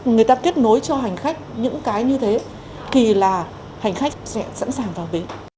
người ta kết nối cho hành khách những cái như thế thì là hành khách sẽ sẵn sàng vào bến